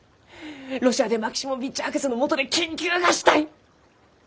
ロシアでマキシモヴィッチ博士のもとで研究がしたい！